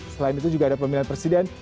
selain itu juga ada pemilihan presiden